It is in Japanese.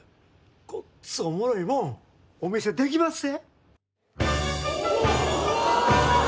ごっつおもろいもんお見せできまっせ。